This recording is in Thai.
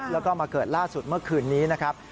แล้วก็มาเกิดล่าสุดเมื่อคืนนี้นะครับ